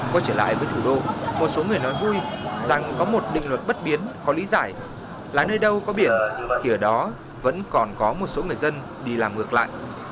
quay trở lại với thủ đô một số người nói vui rằng có một định luật bất biến có lý giải là nơi đâu có biển thì ở đó vẫn còn có một số người dân đi làm ngược lại